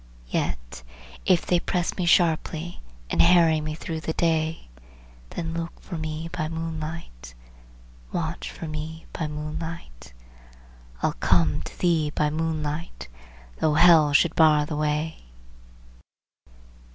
Yet if they press me sharply, and harry me through the day, Then look for me by moonlight, Watch for me by moonlight, I'll come to thee by moonlight, though hell should bar the way."